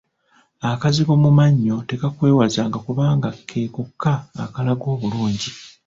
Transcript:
Akazigo mu mannyo tekakwewazanga kubanga ke kokka akalaga obulungi.